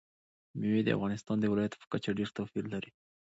مېوې د افغانستان د ولایاتو په کچه ډېر توپیر لري.